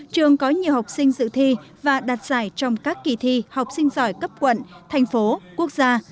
trường có nhiều học sinh dự thi và đạt giải trong các kỳ thi học sinh giỏi cấp quận thành phố quốc gia